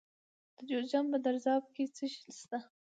د جوزجان په درزاب کې څه شی شته؟